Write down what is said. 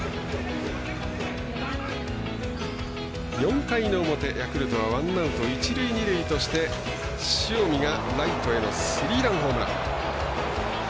４回の表、ヤクルトはワンアウト、一塁二塁として塩見がライトへのスリーランホームラン。